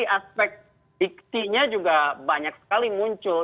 aspek diktinya juga banyak sekali muncul